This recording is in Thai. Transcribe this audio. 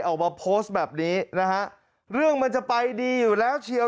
ออกมาโพสต์แบบนี้นะฮะเรื่องมันจะไปดีอยู่แล้วเชียว